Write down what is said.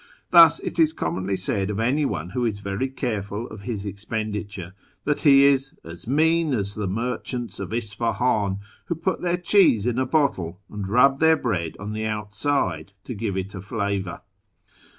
Thus it is commonly said of any one who is very careful of his expenditure that he is " as mean as the merchants of Isfahan, who put their cheese in a bottle, and rub their bread on the outside to give it a flavour."